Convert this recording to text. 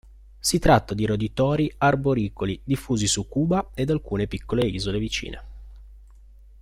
Si tratta di roditori arboricoli diffusi su Cuba ed alcune piccole isole vicine.